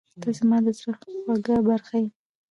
• ته زما د زړه خوږه برخه یې.